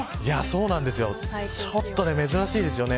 ちょっと珍しいですよね。